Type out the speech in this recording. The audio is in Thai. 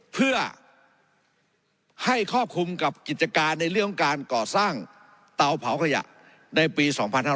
เพื่อให้ครอบคลุมกับกิจการในเรื่องของการก่อสร้างเตาเผาขยะในปี๒๕๕๙